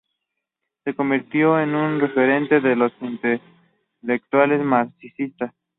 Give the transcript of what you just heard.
Se convirtió en un referente de los intelectuales marxistas.